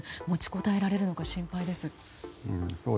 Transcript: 持ちこたえられるのか心配です。